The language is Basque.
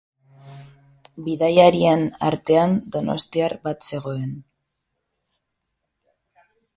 Bidaiarien artean donostiar bat zegoen.